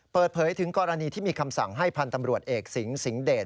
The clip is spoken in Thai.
เปิดเผยถึงกรณีที่มีคำสั่งให้พันธ์ตำรวจเอกสิงสิงหเดช